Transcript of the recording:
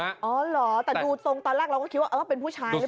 เออเหรอแต่ดูตรงปลาแรกเราคิดว่าเป็นผู้ชายใช่ป่ะ